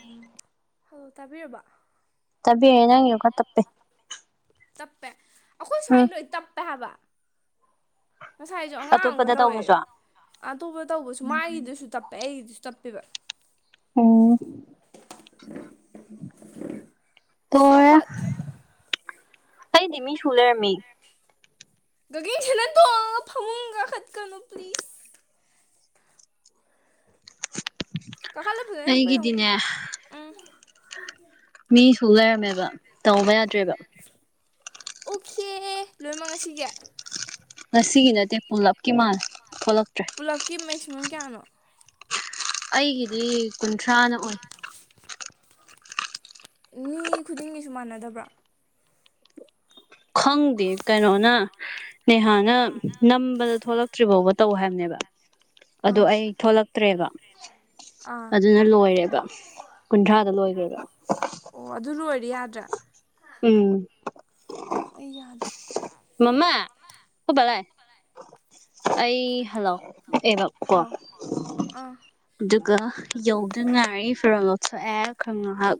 ꯎꯝ hello ꯇꯥꯕꯤꯔꯕ ꯇꯕꯤ ꯑ ꯌꯥꯦ ꯈ ꯇꯞꯄꯦ ꯇꯞꯄꯦ ꯑꯩꯈꯣꯏ ꯎꯝ ꯁ꯭ꯋꯥꯏꯗ ꯂꯣꯏ ꯇꯞꯄꯦ ꯍꯥꯏꯕ ꯉꯁꯥꯏꯁꯨ ꯑꯉꯥꯡꯒ ꯑꯇꯣꯞꯄꯗ ꯇꯧꯋꯦ ꯇꯧꯕꯁꯨ ꯑꯇꯣꯞꯄ ꯇꯧꯕꯁꯨ ꯃꯥꯒꯤꯗꯨꯁꯨ ꯇꯞꯄꯦ ꯑꯩꯒꯤꯗꯨꯁꯨ ꯇꯠꯄꯤꯕ ꯎꯝ ꯇ ꯍꯣꯠ ꯑꯩꯗꯤꯃꯤ ꯁꯂꯔꯃꯤ ꯃꯤ ꯒꯅ ꯇ ꯍꯧ ꯈꯠꯀꯅ ꯄꯂꯤꯁ ꯀꯍꯜꯂ ꯄꯨꯖ ꯄꯌꯣ ꯎꯝ ꯃꯤꯁꯨ ꯂꯩꯔꯝꯃꯦꯕ ꯇꯧꯕ ꯌꯥꯗ꯭ꯔꯦꯕ ꯑꯣꯈꯤꯦ ꯂꯣꯏꯃꯛ ꯉꯁꯤꯒꯦ ꯂꯁꯤꯒꯤꯅꯠꯇꯦ ꯄꯨꯂꯞꯀꯤ ꯃꯥꯜ ꯄꯨꯂꯞꯀꯤ ꯃꯦꯛꯁꯤꯃꯝ ꯀꯌꯥꯅꯣ ꯑꯩꯒꯤꯗꯤ ꯀꯨꯟꯊ꯭ꯔꯥꯅ ꯑꯣꯏ ꯃꯤ ꯈꯨꯗꯤꯡꯒꯤꯁꯨ ꯃꯥꯟꯅꯗꯕ꯭ꯔꯥ ꯈꯪꯗꯦ ꯀꯩꯅꯣꯅ ꯅꯦꯍꯥꯅ ꯅꯝꯕꯗ ꯊꯣꯛꯂꯛꯇ꯭ꯔꯤ ꯐꯥꯎꯕ ꯇꯧ ꯍꯥꯏꯕꯅꯦꯕ ꯑꯗꯨ ꯑꯥ ꯑꯩ ꯊꯣꯛꯂꯛꯇ꯭ꯔꯦꯕ ꯑꯥ ꯑꯗꯨꯅ ꯂꯣꯏꯔꯦꯕ ꯀꯨꯟꯊ꯭ꯔꯥꯗ ꯂꯣꯏꯈ꯭ꯔꯦꯕ ꯑꯣ ꯑꯗꯨ ꯂꯣꯏꯔ ꯌꯥꯗ꯭ꯔꯥ ꯎꯝ ꯑꯩ ꯌꯥꯗ꯭ꯔꯦ ꯃꯃꯥ ꯍ ꯂꯥꯏ ꯑꯩ ꯍꯜꯂꯣ ꯑꯦꯔꯛ ꯀ ꯍꯥꯎ ꯑꯥ ꯒ ꯌꯧꯗꯅ ꯉꯥꯏꯔꯤ ꯐꯤꯔꯣꯜ ꯂꯣꯠꯊꯣꯛꯑꯦ ꯈꯔ ꯉꯥꯏꯍꯥꯛ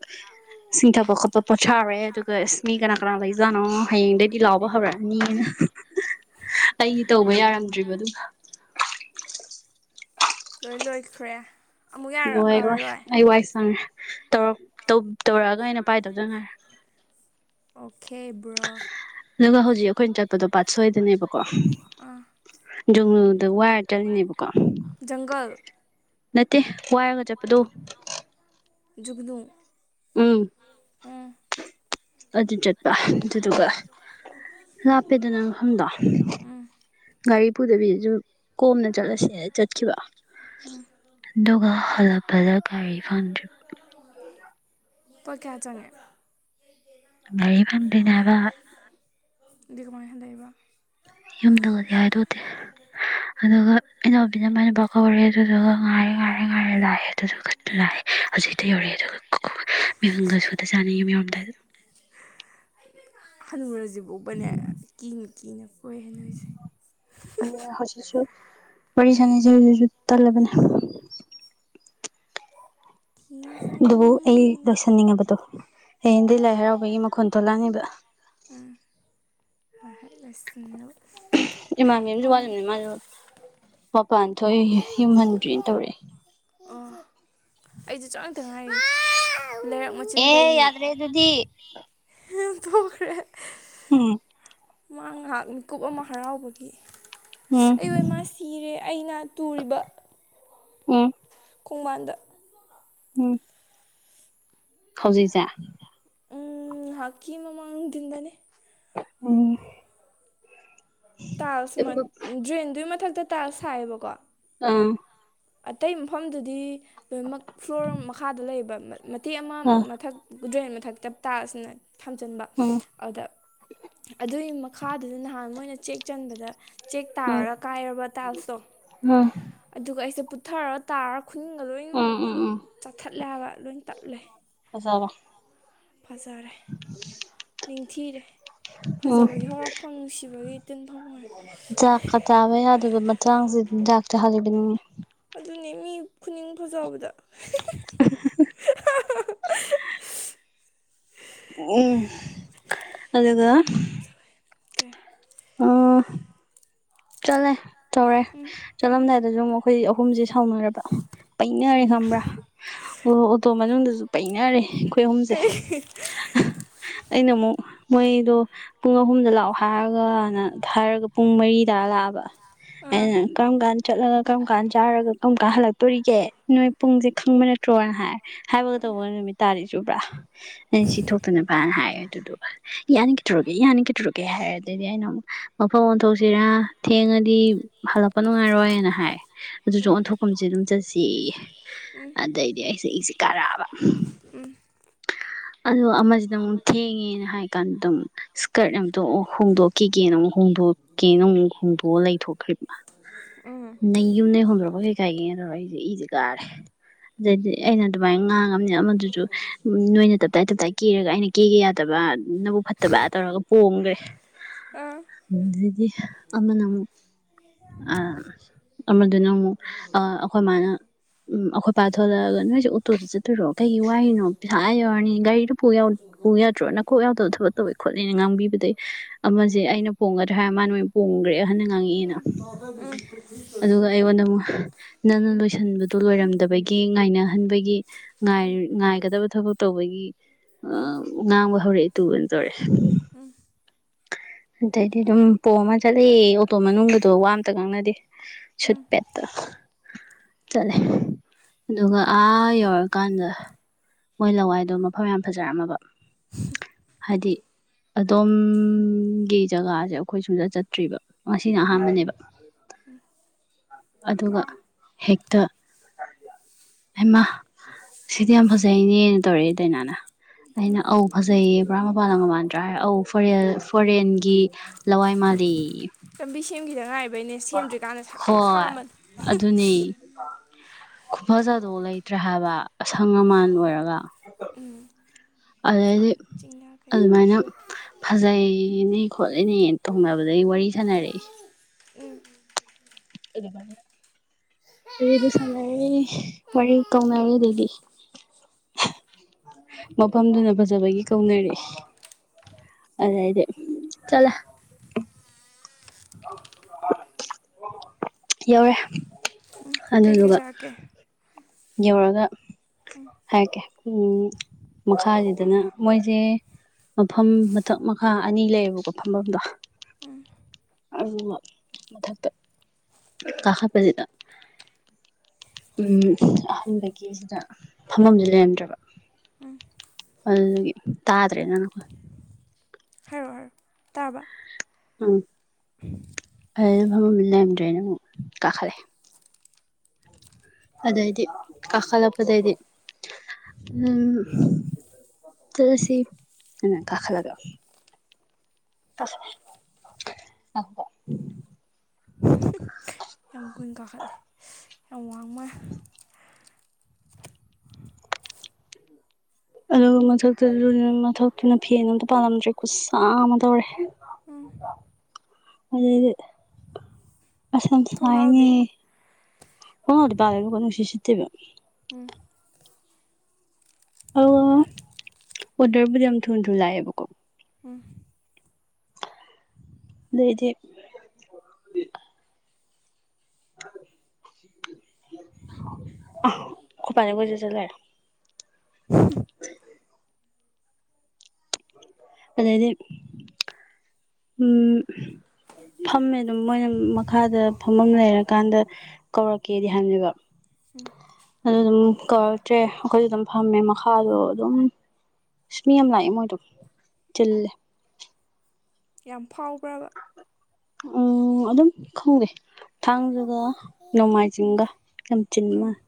ꯆꯁꯤꯡꯊꯥꯕ ꯈꯣꯠꯄ ꯄꯣꯊꯥꯔꯦ ꯑꯗꯨꯒ ꯏꯁꯅꯤ ꯀꯅꯥ ꯀꯅꯥ ꯂꯩꯦ ꯖꯥꯅꯣ ꯍꯌꯦꯡꯗꯒꯤꯩꯗꯤ ꯂꯥꯎꯕ ꯍꯧꯕꯔꯛꯑꯅꯤꯅ ꯑꯩꯗꯤ ꯇꯧꯕ ꯌꯥꯔꯝꯗ꯭ꯔꯤꯕ ꯑꯗꯨꯅ ꯂꯣꯏ ꯂꯣꯏꯈ꯭ꯔꯦ ꯑꯃꯨꯛ ꯍꯣꯏꯔ ꯌꯥꯔꯛꯑꯔꯣꯏ ꯑꯩ ꯋꯥꯏ ꯆꯪꯉꯦ ꯇꯧꯔꯛꯑꯒ ꯑꯩꯅ ꯄꯥꯏꯗꯧꯗ ꯉꯥꯏꯔꯦ ꯑꯣꯈꯦꯕ꯭ꯔꯣ ꯑꯗꯨꯒ ꯍꯧꯖꯤꯛ ꯑꯩꯈꯣꯏꯅ ꯆꯠꯄꯗꯣ ꯄꯥꯠ ꯁꯣꯏꯗꯅꯦꯕꯀꯣ ꯑꯥ ꯖꯨꯡꯂꯨꯗ ꯋꯥꯏꯔ ꯆꯠꯂꯤꯅꯦꯕꯀꯣ ꯖꯪꯒꯜ ꯅꯠꯇꯦ ꯋꯥꯏꯔꯒ ꯆꯠꯄꯗꯣ ꯒꯅꯨ ꯎꯝ ꯑꯗꯨ ꯆꯠꯄ ꯑꯗꯨꯗꯨꯒ ꯂꯥꯞꯄꯦꯗꯅꯪ ꯃꯐꯝꯗꯣ ꯎꯝ ꯒꯥꯔꯤ ꯄꯨꯗꯕꯤꯗꯁꯨ ꯀꯣꯝꯅ ꯆꯠꯂꯁꯅ ꯆꯠꯈꯤꯕ ꯎꯝ ꯑꯗꯨꯒ ꯍꯜꯂꯛꯄꯗ ꯀꯔꯤ ꯐꯪꯗ꯭ꯔꯤꯕꯣ ꯄ ꯀꯌꯥ ꯆꯉꯦ ꯉ ꯐꯗꯅꯦꯕ ꯗꯀꯃ ꯍꯦꯟꯗꯕ ꯌꯨꯝꯗꯒꯗꯤ ꯍꯥꯏꯗꯗꯦ ꯑꯗꯨꯒ ꯏꯅꯥꯎꯕꯤꯅ ꯃꯅ ꯄꯀ ꯑꯣꯏꯔꯦ ꯑꯗꯨꯗꯨꯒ ꯉꯥꯏꯔꯦ ꯉꯥꯏꯔꯦ ꯉꯥꯏꯔꯦ ꯂꯥꯛꯑꯦ ꯑꯗꯨꯗꯨ ꯈ ꯂꯥꯛꯑꯦ ꯍꯧꯖꯤꯛꯇ ꯌꯧꯔꯛꯑꯦ ꯑꯗꯨꯒ ꯃꯤꯉꯪꯒꯁꯨꯛꯇ ꯆꯥꯅꯩꯌꯦ ꯃꯤꯔꯣꯝꯗ ꯍꯅꯨꯔꯁꯤ ꯐꯥꯎꯕꯅꯦ ꯀꯤꯅ ꯀꯤꯅ ꯀꯣꯏ ꯅꯣꯏꯁꯦ ꯑꯗꯨꯅ ꯍꯧꯖꯤꯛꯁꯨ ꯋꯥꯔꯤ ꯁꯥꯅꯤꯁꯦ ꯍꯧꯖꯤꯛ ꯇꯜꯂꯕꯅꯦ ꯑꯗꯨꯕꯨ ꯑꯩ ꯀꯤꯖꯩꯅꯦ ꯂꯣꯏꯁꯤꯟꯅꯤꯡꯉꯕꯗꯣ ꯍ ꯍꯤꯟꯗꯤ ꯂꯥꯏ ꯍꯔꯥꯎꯕꯒꯤ ꯃꯈꯣꯟ ꯊꯣꯛꯣꯂꯛꯑꯅꯦꯕ ꯎꯝ ꯑꯍꯅꯣ ꯏꯃꯥꯟꯅꯕꯤ ꯑꯃꯁꯨ ꯋꯥꯠꯂꯤꯕꯅꯤ ꯃꯥꯁꯨ ꯃꯄꯥꯟ ꯊꯣꯛꯏ ꯌꯨꯝꯍꯟꯗ꯭ꯔꯤꯅ ꯇꯧꯔꯛꯦ ꯑꯩꯁꯨꯦ ꯆꯇ ꯉꯥꯏꯔꯤ ꯂꯩꯔꯛ ꯑꯦ ꯌꯥꯗ꯭ꯔꯦ ꯑꯗꯨꯗꯤ ꯊꯣꯛꯔ ꯎꯝ ꯃꯥ ꯉꯥꯏꯍꯥꯛ ꯃꯤꯀꯨꯞ ꯑꯃ ꯍꯔꯥꯎꯕꯒꯤ ꯎꯝ ꯑꯩ ꯑꯣꯏ ꯃꯥ ꯁꯤꯔꯦ ꯑꯩꯅ ꯇꯨꯔꯤꯕ ꯎ ꯈꯣꯡꯃꯟꯗ ꯎꯝ ꯍꯧꯖꯤꯛꯁꯦ ꯎꯝ ꯍꯥꯀꯤ ꯃꯃꯥꯡꯥꯡ ꯇꯗꯅꯦ ꯑꯅꯤ ꯇꯥꯜꯁ ꯗ꯭ꯔꯦꯟꯗꯨꯒꯤ ꯃꯊꯛꯇ ꯇꯥꯜꯁ ꯁꯥꯏꯌꯦꯕꯀꯣ ꯑꯥ ꯑꯇꯩ ꯃꯐꯝꯗꯨꯗꯤ ꯂꯣꯏꯅꯃꯛ ꯐ꯭ꯂꯣꯔ ꯃꯈꯥꯗ ꯂꯩꯕ ꯃꯇꯦꯛ ꯑꯃ ꯑꯥ ꯃꯊꯛ ꯒꯨꯗ꯭ꯔꯦꯟ ꯃꯊꯛꯛꯇꯞꯇꯥꯥꯁꯤꯅ ꯊꯝꯖꯤꯟꯕ ꯎꯝ ꯎꯝ ꯑꯗ ꯑꯗꯨꯒꯤ ꯃꯈꯥꯗꯨꯗ ꯅꯍꯥꯟ ꯃꯣꯏꯅ ꯆꯦꯛ ꯆꯟꯕꯗ ꯆꯦꯛ ꯇꯥꯔꯒ ꯀꯥꯏꯔꯕ ꯇꯥꯏꯜꯁꯇꯣ ꯎꯝ ꯑꯗꯨꯒ ꯑꯩꯁꯦ ꯄꯨꯊꯔ ꯇꯥꯔ ꯈꯨꯟꯒ ꯂꯣꯏꯅꯃꯛ ꯎꯝ ꯎꯝ ꯎꯝ ꯆꯥꯊꯠꯂꯒ ꯂꯣꯏ ꯇꯠꯂꯦ ꯖꯕ ꯐꯖꯔꯦ ꯅꯤꯡꯊꯤꯔꯦ ꯎꯝ ꯐꯖꯕꯒꯤ ꯍꯧꯔꯛꯐꯝ ꯅꯨꯡꯁꯤꯕꯒꯤ ꯇꯤꯟꯐꯝ ꯑꯣꯏꯔꯦ ꯆꯥꯛꯀ ꯆꯥꯕ ꯌꯥꯗꯕ ꯃꯇꯥꯡꯁꯦ ꯆꯥꯛ ꯆ ꯂꯩ ꯑꯗꯨꯅꯦ ꯃꯤ ꯈꯨꯅꯤꯡ ꯐꯖꯕꯗ [unintelligible] ꯎꯝ ꯑꯗꯨ ꯑꯗꯨ ꯑꯣꯀꯦ ꯎꯝ ꯆꯠꯂꯦ ꯇꯧꯔꯦ ꯆꯠꯂꯝꯗꯥꯏꯗꯁꯨ ꯑꯩꯈꯣꯏ ꯑꯍꯨꯝꯁꯦ ꯁꯥꯎꯅꯔꯕ ꯄꯩꯅꯔꯦ ꯀꯩꯒꯤ ꯈꯪꯕ꯭ꯔꯥ ꯑꯣ ꯑꯣꯇꯣ ꯃꯅꯨꯡꯗꯁꯨ ꯄꯩꯅꯔꯦ ꯑꯩꯈꯣꯏ ꯑꯍꯨꯝꯁꯦ ꯀꯩ ꯑꯩꯅ ꯑꯃꯨꯛ ꯃꯣꯏꯗꯣ ꯄꯨꯡ ꯑꯍꯨꯝꯗ ꯂꯥꯛꯑꯣ ꯍꯥꯏꯔꯒꯅ ꯊꯥꯔꯒ ꯄꯨꯡ ꯃꯔꯤꯗꯥ ꯂꯥꯛꯑꯕ ꯑꯥ ꯑꯩꯅ ꯀꯔꯝ ꯀꯥꯟ ꯆꯠꯂꯒ ꯀꯔꯝ ꯀꯥꯟ ꯆꯥꯔꯒ ꯀꯔꯝ ꯀꯥꯟ ꯍꯜꯂꯛꯇꯣꯔꯤꯒꯦ ꯅꯣꯏ ꯄꯨꯡꯁꯦ ꯈꯪꯕ ꯅꯠꯇ꯭ꯔꯣ ꯁ꯭ꯔꯣꯅ ꯍꯥꯏ ꯍꯥꯏꯕꯒ ꯇꯧꯕ ꯅꯨꯃꯤꯠ ꯇꯥꯔꯤ ꯆꯕ꯭ꯔꯥ ꯑꯩꯅ ꯁꯤ ꯊꯣꯛꯇꯅꯕꯅ ꯍꯥꯏꯌꯦꯦ ꯑꯗꯨꯗꯨꯒ ꯌꯥꯅꯤ ꯀꯗꯣꯔꯛꯀꯦ ꯌꯥꯅꯤ ꯀꯗꯣꯔꯛꯀꯦ ꯍꯥꯏꯔ ꯑꯗꯨꯗꯤ ꯑꯩꯅ ꯑꯃꯨꯛ ꯃꯐꯝ ꯑꯣꯟꯊꯣꯛꯁꯤꯔꯥ ꯊꯦꯡꯉꯗꯤ ꯍꯜꯂꯛꯄ ꯅꯨꯡꯉꯥꯏꯔꯣꯏꯅ ꯍꯥꯏ ꯑꯗꯨꯁꯨ ꯑꯣꯟꯊꯣꯛꯐꯝꯁꯦ ꯑꯗꯨꯝ ꯆꯠꯁꯤ ꯑꯗꯩꯗꯤ ꯑꯩꯁꯦ ꯑꯩꯁꯦ ꯀꯥꯔꯛꯑꯕ ꯎꯝ ꯑꯣ ꯑꯃꯁꯤꯗ ꯑꯃꯨꯛ ꯊꯦꯡꯉꯦꯅ ꯍꯥꯏ ꯀꯥꯟꯗ ꯑꯗꯨꯝ ꯀꯔꯠ ꯑꯝꯇꯣꯛ ꯍꯣꯡꯗꯣꯛꯈꯤꯒꯦꯅ ꯑꯃꯨꯛ ꯍꯣꯡꯗꯣꯛꯀꯦꯅ ꯑꯃꯨꯛ ꯍꯣꯡꯗꯣꯛꯑꯣ ꯂꯩꯊꯣꯛꯈ꯭ꯔꯤꯕ ꯅ ꯎ ꯍꯨꯝꯗ꯭ꯔꯣꯕ ꯀꯀꯥꯏ ꯇꯋꯥꯏ ꯏꯁꯁꯤꯦ ꯀꯥꯔꯦ ꯑꯗꯨꯗꯩꯗꯤ ꯑꯩꯅ ꯑꯗꯨꯃꯥꯏꯅ ꯉꯥꯡꯉꯕꯅꯤ ꯑꯃꯗꯨꯁꯨ ꯎ ꯅꯣꯏꯅ ꯇꯞꯇꯥꯏ ꯇꯞꯇꯥꯏ ꯀꯦꯔꯒ ꯑꯩꯅ ꯀꯦꯒꯦ ꯌꯥꯗꯕ ꯅꯕꯨꯛ ꯐꯠꯇꯕ ꯇꯧꯔꯒ ꯄꯣꯡꯝꯈ꯭ꯔꯦ ꯑꯥ ꯑꯗꯨꯗꯤ ꯑꯃꯅ ꯑꯃꯨꯛ ꯑ ꯑꯗꯨꯗꯨꯅ ꯑꯃꯨꯛ ꯑ ꯑꯩꯈꯣꯏ ꯃꯥꯅ ꯎꯝ ꯑꯩꯈꯣꯏ ꯄꯥꯊꯂꯒ ꯅꯣꯏꯁꯦ ꯑꯣꯇꯣꯗ ꯆꯠꯇꯣꯏꯔꯣ ꯀꯩꯒꯤ ꯋꯥꯔꯤꯏꯔꯤꯅꯣ ꯄꯩꯁꯥ ꯌꯧꯔꯅꯤ ꯒꯥꯔꯤꯗꯨ ꯄꯨ ꯌꯥꯗ꯭ꯔꯣꯅꯈꯣꯛꯎ ꯊꯕꯛ ꯇꯧꯋꯦ ꯈꯣꯠꯂꯤꯦꯅ ꯉꯥꯡꯕꯤꯕꯗꯒꯤꯩ ꯑꯃꯁꯦ ꯑꯩꯅ ꯄꯣꯡꯒꯗ꯭ꯔꯥ ꯍꯥꯏꯔ ꯃꯥꯅꯣꯏ ꯄꯣꯡꯈ꯭ꯔꯦ ꯍꯟꯅ ꯉꯥꯡꯉꯛꯑꯦꯅ ꯎꯝ ꯑꯗꯨꯒ ꯑꯩꯉꯣꯟꯗ ꯑꯃꯨꯛ ꯅꯪꯅ ꯂꯣꯏꯁꯤꯟꯕꯗꯨꯣ ꯂꯣꯏꯔꯝ ꯗꯕꯒꯤ ꯉꯥꯏꯅꯍꯟꯕꯒꯤ ꯉꯥꯏꯒꯗꯕ ꯊꯕꯛ ꯇꯧꯕꯒꯤ ꯑ ꯉꯥꯡꯕ ꯍꯧꯔꯛꯑꯦ ꯇꯨꯒꯅ ꯇꯧꯔꯦ ꯎꯝ ꯑꯗꯩꯗꯤ ꯑꯗꯨꯝ ꯄꯣꯝ ꯑꯃ ꯆꯠꯂꯑꯦ ꯑꯣꯇꯣ ꯃꯅꯨꯡꯗꯣ ꯋꯥ ꯑ ꯑꯃꯇ ꯉꯪꯅꯗꯦ ꯁꯠꯄꯦꯠꯇ ꯆꯠꯂꯦ ꯑꯗꯨꯒ ꯑꯥ ꯌꯧꯔꯀꯥꯟꯗ ꯃꯣꯏ ꯂꯋꯥꯏꯗꯣ ꯃꯐꯝ ꯌꯥꯝ ꯐꯖꯔꯝꯃꯕ [unintelligible] ꯍꯥꯏꯗꯤ ꯑꯗꯣꯝꯒꯤ ꯖꯒꯥꯁꯦ ꯑꯩꯈꯣꯏ ꯁꯨꯡꯗ ꯆꯠꯇ꯭ꯔꯤꯕ ꯉꯁꯤꯅ ꯑꯍꯥꯟꯕꯅꯦꯕ ꯑꯗꯨꯒ ꯍꯦꯛꯇꯛꯇ ꯑꯃ ꯁꯤꯗꯤ ꯌꯥꯝ ꯐꯖꯩꯅꯦꯅ ꯇꯧꯔꯛꯏꯦ ꯗꯥꯏꯅꯥꯅ ꯑꯩꯅ ꯑꯧ ꯐꯖꯩꯌꯦ ꯕ꯭ꯔꯥ ꯃꯄꯅ ꯃꯃꯥꯟꯗ꯭ꯔꯥ ꯑꯧ ꯐꯔ ꯐꯣꯔꯦꯟꯒꯤ ꯂꯋꯥꯏ ꯃꯥꯔꯤ ꯂꯝꯕꯤ ꯁꯦꯝꯈꯤꯗ ꯉꯥꯏꯕꯩꯅꯦ ꯁꯦꯝꯗ꯭ꯔꯤꯀꯥꯟꯗ ꯁꯂꯥꯛ ꯍꯣꯏ ꯁꯥꯃꯅꯤ ꯈꯨꯐꯖꯗꯣꯛ ꯂꯩꯇ꯭ꯔꯦ ꯍꯥꯏꯕ ꯑꯁꯪ ꯑꯃꯥꯟ ꯑꯣꯏꯔꯒ ꯑꯗꯨꯗꯩꯗꯤ ꯐꯖꯕꯅꯤ ꯆꯤꯡꯌꯥ ꯀꯩꯌꯥ ꯑꯗꯨꯃꯥꯏꯅ ꯐꯖꯩꯅꯤ ꯈꯣꯠꯂꯤꯅꯦꯅ ꯇꯣꯡꯅꯕꯗ ꯑ ꯑꯩ ꯋꯥꯔꯤ ꯁꯥꯟꯅꯔꯦ ꯎ ꯑꯗꯨꯔ ꯋꯥꯔꯤꯗꯨ ꯁꯥꯟꯅꯔꯦ ꯋꯥꯔꯤ ꯀꯧꯅꯔꯦ ꯗꯦꯗꯤ ꯃꯐꯝꯗꯨꯅ ꯐꯖꯕꯒꯤ ꯀꯧꯅꯔꯛꯦ ꯑꯗꯗꯦ ꯆꯂ ꯀꯧꯔꯦ ꯎꯝ ꯀꯩꯀꯩ ꯆꯥꯀꯦ ꯌꯧꯔꯒ ꯍꯥꯏꯀꯦ ꯃꯈꯥꯁꯤꯗꯅ ꯃꯣꯏꯁꯦ ꯃꯐꯝ ꯃꯊꯛ ꯃꯈꯥ ꯑꯅꯤ ꯂꯩꯌꯦꯕꯀꯣ ꯐꯝꯐꯝꯗꯣ ꯎꯝ ꯑꯗꯨꯒ ꯃꯊꯛꯇ ꯀꯥꯈꯠꯄꯁꯤꯗ ꯎꯝ ꯑꯍꯥꯟꯕꯒꯤ ꯁꯤꯗ ꯐꯝꯐꯝꯐꯝꯗꯤ ꯂꯩꯔꯝꯗ꯭ꯔꯕ ꯎꯝ ꯑꯗꯨꯒꯤ ꯇꯥꯗ꯭ꯔꯦꯗꯅꯀꯣ ꯍꯥꯏꯔꯣ ꯇꯥꯕꯥ ꯎꯝ [inaudible] ꯃ ꯑꯃ ꯂꯩꯔꯗ꯭ꯔꯦꯅ ꯑꯃꯨꯛ ꯀꯥꯈꯠꯂꯑꯦ ꯑꯗꯩꯗꯤ ꯀꯥ ꯀꯂꯄꯗꯩꯗꯤ ꯎꯝ ꯆꯂꯁꯤ ꯑ ꯀꯥꯥ ꯂꯒꯑꯣ [inaudible] ꯌꯥꯝ ꯀꯨꯏꯅ ꯀꯥꯈꯠꯂꯦ ꯌꯥꯝ ꯋꯥꯡꯃꯥꯏ ꯑꯗꯨꯒ ꯃꯊꯛꯇ ꯃꯊꯛꯇꯨꯅ ꯐꯦꯟ ꯑꯝꯇ ꯄꯥꯜꯂꯝꯗ꯭ꯔꯦ ꯈꯨꯠꯁꯥ ꯑꯃ ꯇꯧꯔꯦ ꯎꯝ ꯑꯗꯨꯗꯤꯁꯁꯥꯏꯅꯤ ꯊꯣꯡꯅꯥꯎꯗꯤ ꯍꯗꯤ ꯄ ꯀꯁꯤꯦꯁꯤꯠꯇꯕ ꯑ ꯑꯣꯗꯔꯕꯨꯗꯤ ꯌꯥꯝ ꯊꯨ ꯊꯨ ꯂꯥꯛꯑꯦꯕꯀꯣ ꯎꯝ ꯂꯩꯩꯗꯤ [unintelligible] ꯎꯄꯅꯤ ꯁꯁ ꯂꯦ ꯑꯣ ꯂꯩ ꯑꯗꯥꯏꯗꯤ ꯎꯝ ꯐꯝꯃꯦ ꯑꯗꯨꯝ ꯃꯣꯏꯅ ꯃꯈꯥꯗꯥ ꯐꯝꯃꯝ ꯂꯩꯔꯀꯥꯟꯗ ꯀꯧꯔꯛꯀꯦꯗꯤ ꯍꯥꯏꯅꯦꯕ ꯑꯗꯨ ꯑꯗꯨꯝ ꯀꯧꯔꯛꯇ꯭ꯔꯦ ꯑꯩꯈꯣꯏꯁꯨ ꯑꯗꯨꯝ ꯐꯝꯃꯦ ꯃꯈꯥꯗꯣ ꯑꯗꯨꯝ [unintelligible] ꯆꯜꯂꯦ ꯌꯥꯝ ꯐꯥꯎꯕ꯭ꯔꯥꯕꯥ ꯎꯝ ꯑꯗꯨꯝ ꯈꯪꯗ‌ꯦ ꯊꯥꯡꯖꯥꯒ ꯅꯣꯡꯃꯥꯏꯖꯤꯡꯒ ꯌꯥꯝ ꯆꯤꯟꯕ ꯎꯝ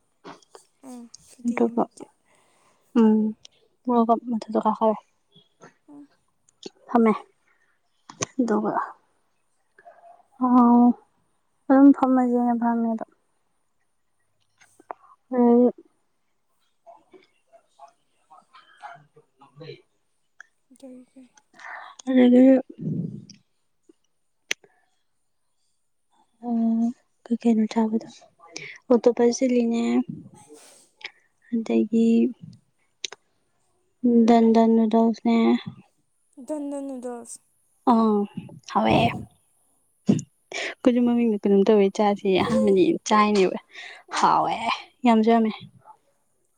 ꯎꯝ ꯁꯨꯇꯤ ꯅꯨꯃꯤꯠꯀꯤ ꯎꯝ [unintelligible] ꯎꯝ ꯊꯃꯦ ꯑꯗꯨꯒꯕ ꯑꯣ ꯑꯗꯨꯝ ꯐꯝꯃꯁꯦꯅꯦ ꯐꯝꯃꯦꯗꯣ [unintelligible] [unintelligible] [unintelligible] [unintelligible] ꯎꯝ ꯀꯩ ꯀꯩꯅꯣ ꯆꯥꯕꯗꯣ ꯑꯣꯛꯇꯣꯄꯁ ꯆꯤꯂꯤꯅꯦ ꯑꯗꯒꯤ ꯗꯟꯗꯟ ꯅꯨꯗ꯭ꯜꯁꯅꯦ ꯗꯟꯗꯟ ꯅꯨꯗ꯭ꯜꯁ ꯑꯪ ꯍꯥꯎꯋꯦ ꯑꯩꯈꯣꯏꯖꯨ ꯃꯃꯤꯡꯗꯨ ꯀꯩꯅꯣꯝ ꯇꯧꯋꯦ ꯆꯥꯖꯦꯌꯦ ꯑꯍꯥꯟꯕꯅꯦ ꯆꯥꯏꯅꯦꯕ ꯍꯥꯎꯋꯦ ꯌꯥꯝꯖꯨ ꯌꯥꯝꯃꯦ꯫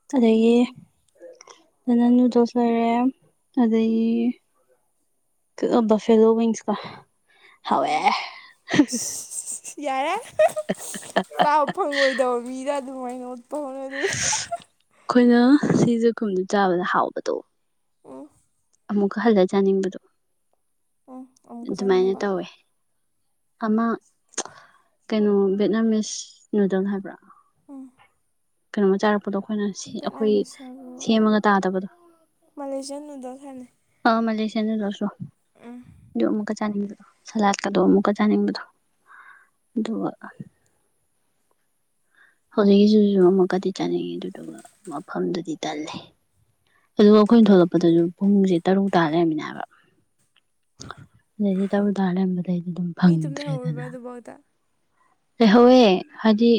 ꯆꯥꯅꯤꯡꯉꯦ꯫ [unintelligible] ꯅꯨꯗ꯭ꯜꯁ ꯂꯩꯔꯦ ꯑꯗꯒꯤ ꯀꯧꯅ‌ꯣ ꯕꯐꯦꯂꯣ ꯋꯤꯡ꯭ꯁꯀ ꯍꯥꯎꯋꯦ ꯌꯥꯔꯦ ꯆꯥꯕ ꯐꯪꯉꯣꯏꯗꯕ ꯃꯤꯗ ꯑꯗꯨꯃꯥꯏꯅ ꯎꯠꯄꯥ ꯍꯧꯅꯗꯦ [unintelligible] ꯑꯩꯈꯣꯏꯅ ꯁꯤꯖꯦ [unintelligible] ꯆꯥꯕꯗ ꯍꯥꯎꯕꯗꯣ꯫ ꯎꯝ ꯑꯃꯨꯛꯀ ꯍꯜꯂ ꯆꯥꯅꯤꯡꯕꯗꯣ ꯎꯝ ꯑꯃꯨꯛꯀ ꯑꯗꯨꯃꯥꯏꯅ ꯆꯥꯅꯤꯡꯉꯕ ꯇꯧꯋꯦ꯫ ꯑꯃ ꯀꯩꯅꯣ ꯕꯦꯠꯅꯥꯃꯤꯁ ꯅꯨꯗꯜ ꯍꯥꯏꯕ꯭ꯔꯥ꯫ ꯎꯝ ꯀꯩꯅꯣꯃ ꯆꯥꯔꯛꯄꯗꯣ ꯑꯩꯈꯣꯏꯅ ꯚꯦꯠꯅꯥꯝ ꯑꯩꯈꯣꯏ ꯃꯤꯁꯥꯔꯣ ꯁꯦꯝꯃꯒ ꯇꯥꯗꯕꯗꯣ꯫ ꯅꯨꯗ꯭ꯜꯁ ꯍꯥꯏꯝꯅꯤ꯫ [unintelligible] ꯑꯗꯨ ꯑꯃꯨꯛꯀ ꯆꯥꯅꯤꯡꯕ꯫ ꯁꯂꯥꯠꯀꯗꯣ ꯑꯃꯨꯛꯀ ꯆꯥꯅꯤꯡꯕꯗꯣ ꯑꯗꯨꯒ ꯍꯧꯖꯤꯛꯀꯤꯖꯤꯁꯨ ꯑꯃꯨꯛꯀꯗꯤ ꯆꯥꯅꯤꯡꯉꯤ ꯑꯗꯨꯗꯨꯒ ꯃꯐꯝꯗꯨꯗꯤ ꯇꯜꯂꯦ꯫ ꯑꯗꯨꯒ ꯑꯩꯈꯣꯏꯅ ꯊꯣꯛꯂꯛꯄꯗꯖꯨ ꯄꯨꯡꯖꯦ ꯇꯔꯨꯛ ꯇꯥ ꯂꯩꯔꯝꯃꯤꯅꯦ ꯍꯥꯏꯕ꯫ ꯑꯗꯩꯗꯤ ꯇꯧꯔꯨ ꯇꯥꯔ ꯂꯩꯔꯝꯕꯗꯩꯗꯤ ꯑꯗꯨꯝ ꯃꯤ ꯂꯩꯍꯧꯔꯤꯕ ꯐꯪꯗ꯭ꯔꯦꯗꯅ꯫ ꯑꯗꯨꯐꯥꯎꯗ ꯂꯩꯍꯧꯋꯦ ꯍꯥꯏꯗꯤ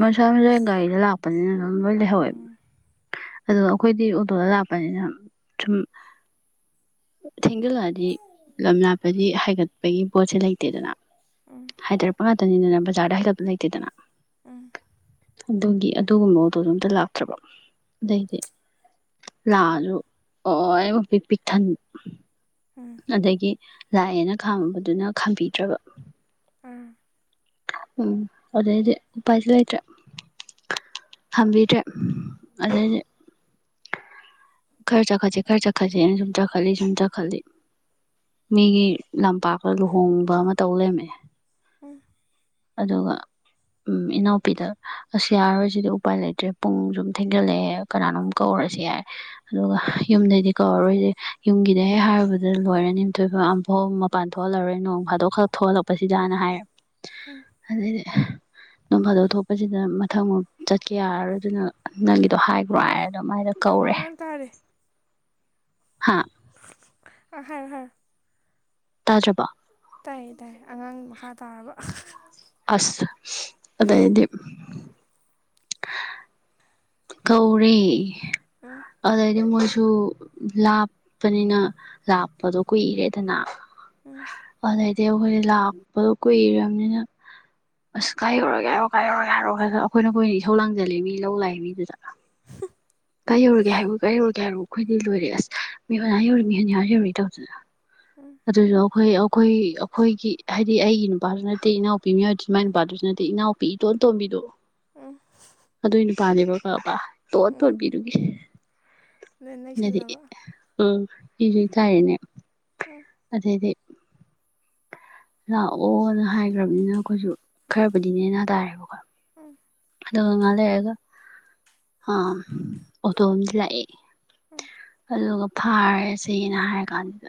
ꯃꯁꯥ ꯃꯁꯥꯏ ꯒꯥꯔꯤꯗ ꯂꯥꯛꯄꯅꯤꯅ ꯑꯗꯨꯝ ꯂꯣꯏ ꯂꯩꯍꯧꯋꯦꯕꯥ ꯎꯝ ꯑꯗꯣ ꯑꯩꯈꯣꯏꯗꯤ ꯑꯣꯇꯣꯗ ꯂꯥꯛꯄꯅꯤꯅ ꯁꯨꯝ ꯊꯦꯡꯖꯤꯜꯂꯛꯑꯗꯤ ꯂꯝ ꯂꯥꯞꯄꯗꯤ ꯍꯥꯏꯒꯠꯄꯒꯤ ꯄꯣꯠꯁꯤ ꯂꯩꯇꯦꯗꯅ꯫ ꯎꯝ ꯍꯥꯏꯊꯔꯛꯄ ꯉꯥꯛꯇꯅꯤꯗꯅ ꯕꯖꯥꯔꯗ ꯍꯥꯏꯒꯠꯄ ꯂꯩꯇꯦꯗꯅ꯫ ꯎꯝ꯫ ꯑꯗꯨꯒꯤ ꯑꯗꯨꯒꯨꯝꯕ ꯑꯣꯇꯣꯗꯣ ꯑꯝꯇ ꯂꯥꯛꯇ꯭ꯔꯕ ꯑꯗꯩꯗꯤ ꯂꯥꯛꯑꯖꯨ ꯑꯣ ꯑꯣ ꯑꯩꯕꯨ ꯄꯤꯛ ꯄꯤꯛꯊꯟ ꯑꯗꯒꯤ ꯂꯥꯛꯑꯦꯅ ꯈꯥꯝꯕꯗꯨꯅ ꯈꯥꯝꯕꯤꯗ꯭ꯔꯕ꯫ ꯎꯝ꯫ ꯎꯝ ꯑꯗꯩꯗꯤ ꯎꯄꯥꯥꯏꯖꯨ ꯂꯩꯇ꯭ꯔꯦ꯫ ꯈꯥꯝꯕꯤꯗ꯭ꯔꯦ ꯑꯗꯩꯗꯤ ꯈꯔ ꯆꯠꯈꯠꯁꯤ ꯈꯔ ꯆꯠꯈꯠꯁꯤꯅ ꯁꯨꯝ ꯆꯈꯠꯂꯤ ꯁꯨꯝ ꯆꯈꯠꯂꯤ ꯃꯤꯒꯤ ꯂꯝꯄꯥꯛꯇ ꯂꯨꯍꯣꯡꯕ ꯑꯃ ꯇꯧ ꯂꯩꯔꯝꯃꯦ꯫ ꯎꯝ꯫ ꯑꯗꯨꯒ ꯎꯝ ꯏꯅꯥꯎꯄꯤꯗ ꯑꯁ ꯌꯥꯔꯔꯣꯏ ꯁꯤꯗꯤ ꯎꯄꯥꯏ ꯂꯩꯇ꯭ꯔꯦ ꯄꯨꯡ ꯁꯨꯝ ꯊꯦꯡꯖꯜꯂꯛꯑꯦ ꯀꯅꯥꯅꯣꯝ ꯀꯧꯔ ꯔꯁꯤ ꯌꯥꯔꯦ ꯑꯗꯨꯒ ꯌꯨꯝꯗꯩꯗꯤ ꯀꯧꯔꯔꯣꯏꯖꯤ ꯌꯨꯝꯒꯤꯗ ꯍꯦꯛ ꯍꯥꯏꯔꯨꯔꯗꯤ ꯂꯣꯏꯔꯅꯤ ꯑꯃꯨꯛꯇꯣꯏꯕ ꯐꯧ ꯃꯄꯥꯟ ꯊꯣꯛꯍꯜꯂꯔꯦ ꯅꯣꯡ ꯐꯥꯗꯣꯛ ꯈꯛ ꯊꯣꯛꯍꯜꯂꯛꯄꯁꯤꯗꯅ ꯍꯥꯏꯔ ꯑꯗꯩꯗꯤ ꯅꯣꯡ ꯐꯥꯗꯣꯛ ꯊꯣꯛꯄꯁꯤꯗ ꯃꯊꯪ ꯃꯨꯛ ꯆꯠꯀꯦ ꯌꯥꯔꯔꯣꯏ ꯑꯗꯨꯅ ꯅꯪꯒꯤꯗꯣ ꯍꯥꯏꯒ꯭ꯔꯣ ꯍꯥꯏꯔꯦ꯫ ꯑꯗꯨꯃꯥꯏꯅ ꯑ ꯋꯥ ꯀꯧꯔꯦ꯫ ꯑꯉꯥꯡ ꯇꯥꯔꯦ ꯍꯥ ꯑ ꯍꯥꯥꯏꯖꯣ ꯍꯥꯥꯢꯖꯣ꯫ ꯇꯥꯖꯕ ꯇꯥꯏꯌꯦ ꯇꯥꯏꯌꯦ ꯑꯉꯥꯡ ꯃꯈꯥ ꯇꯥꯔꯕ ꯑꯁ ꯑꯗꯥꯏꯗꯤ ꯀꯧꯔꯤ ꯎꯝ ꯑꯗꯤ ꯃ ꯁꯨ ꯂꯥꯞꯄꯅꯤꯅ ꯂꯥꯞꯄꯗꯣ ꯀꯨꯏꯔꯦꯗꯅ ꯑꯗꯨꯗꯩꯗꯤ ꯑꯩꯈꯣꯏꯗꯤ ꯂꯥꯛꯄꯗꯣ ꯀꯨꯏꯔꯕꯅꯤꯅ ꯑꯁ ꯀꯥꯏ ꯌꯧꯔꯒ ꯌꯥ ꯍꯥꯏꯔꯣ ꯀꯥꯏ ꯌꯧꯔꯒ ꯌꯥ ꯍꯥꯏꯔꯣ ꯈ ꯈ ꯑꯩꯈꯣꯏꯅ ꯀꯈꯣꯏꯅ ꯏꯧ ꯂꯥꯡꯁꯤꯜꯂꯤꯦ ꯃꯤ ꯂꯧ ꯂꯥꯛꯑꯦ ꯃꯤꯗꯨꯗ ꯀꯩ ꯌꯧꯔꯒꯦ ꯍꯥꯏꯕꯕꯨꯣ ꯀꯥꯏ ꯌꯧꯔꯒꯦ ꯍꯥꯏꯕꯕꯨ ꯑꯩꯈꯣꯏꯗꯤ ꯂꯣꯏꯔꯦ ꯑꯁ ꯃꯤ ꯃꯌꯥ ꯌꯧꯔꯦ ꯃꯤ ꯍꯅꯤꯌꯥ ꯌꯧꯔꯔꯤ ꯇꯧꯗꯅ ꯑꯗꯨꯁꯨ ꯑꯩꯈꯣꯏ ꯑꯩꯈꯣꯏ ꯑꯩꯈꯣꯏꯒꯤ ꯍꯥꯏꯗꯤ ꯑꯩꯒꯤ ꯅꯨꯄꯥꯁꯨ ꯅꯠꯇꯦ ꯏꯅꯥꯎꯄꯤ ꯃꯤꯑꯣꯏꯗꯨ ꯏꯃꯥꯏ ꯅꯨꯄꯥꯗꯨꯁꯨ ꯅꯠꯇꯦ ꯑ ꯏꯅꯥꯎꯄꯤ ꯏꯇꯣꯟꯇꯣꯝꯕꯤꯗꯨ ꯑꯗꯨꯏ ꯅꯨꯄꯥꯅꯦꯕ ꯀꯕ ꯇꯣꯠ ꯇ ꯎꯝ ꯑꯣꯠꯕꯤꯗꯨꯒꯦ ꯅ ꯑꯗꯤ ꯅꯩꯁꯜꯂꯕ ꯎ ꯀꯥꯅꯦ ꯑꯗꯦꯗꯤ ꯂꯥꯛꯑꯣꯅ ꯍꯥꯏꯈ꯭ꯔꯕꯅꯤꯅ ꯑꯩꯈꯣꯏꯁꯨ ꯈꯔꯕꯨꯗꯤꯅꯦꯅꯥ ꯇꯥꯔꯦꯕꯀꯣ ꯑꯗꯨꯒ ꯉꯥ ꯂꯩꯔꯒ ꯑ ꯑꯣꯇꯣ ꯑ ꯂꯥꯛꯑꯦ ꯎꯝ ꯑꯗꯨꯒ ꯐꯥꯔꯁꯅ ꯍꯥꯏꯔ ꯀꯥꯟꯗꯨꯗ